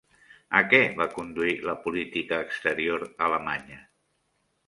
A què va conduir la política exterior alemanya?